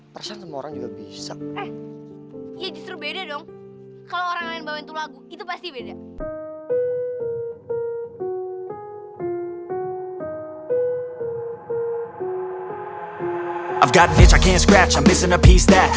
perasaan semua orang juga bisa